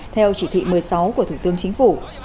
theo chỉ thị một mươi sáu của thủ tướng chính phủ